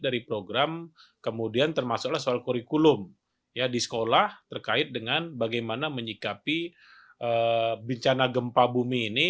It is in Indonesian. jadi program kemudian termasuklah soal kurikulum di sekolah terkait dengan bagaimana menyikapi bencana gempa bumi ini